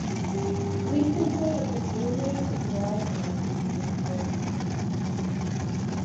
Recently, the brewery is well-going and gainful enterprise.